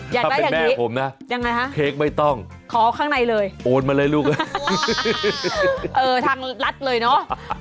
อยากได้อย่างนี้ยังไงฮะเค้กไม่ต้องโอนมาเลยลูกเออทางรัดเลยเนาะ